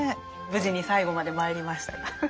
無事に最後まで参りましたが。